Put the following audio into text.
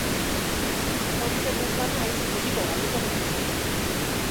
Ontzen ez banaiz, betiko galduko naiz.